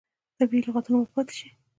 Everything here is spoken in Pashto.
طبیعي لغتونه به پاتې شي.